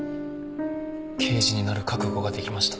刑事になる覚悟ができました。